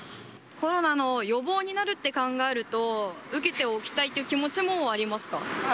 コロナの予防になると考えると、受けておきたいという気持ちもありますか？